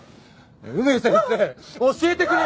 梅先生教えてくれよ！